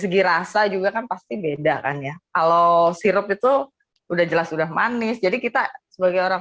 segi rasa juga kan pasti beda kan ya kalau sirup itu udah jelas udah manis jadi kita sebagai orang